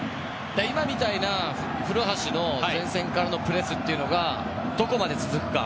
今みたいな古橋の前線からのプレスというのがどこまで続くか。